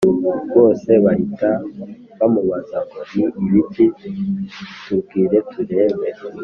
bose bahita bamubaza ngo ni ibiki tubwire turebe